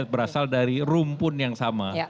berasal dari rumpun yang sama